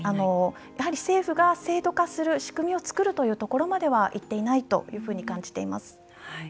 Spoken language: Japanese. やはり政府が制度化する仕組みを作るというところまではいっていないと感じています。